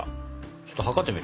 ちょっと測ってみる？